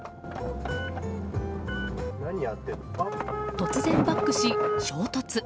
突然バックし、衝突。